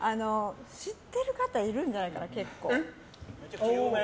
知ってる方いるんじゃないかな結構。